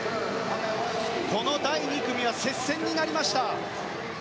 この第２組は接戦になりました。